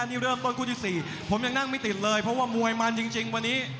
นี่เริ่มต้นคู่ที่๔ผมยังนั่งไม่ติดเลยเพราะว่ามวยมันจริงวันนี้